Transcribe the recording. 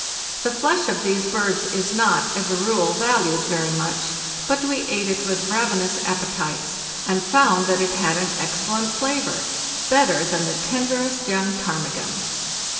The flesh of these birds is not, as a rule, valued very much, but we ate it with ravenous appetites, and found that it had an excellent flavor—better than the tenderest young ptarmigan.